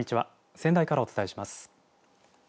仙台からお伝えします。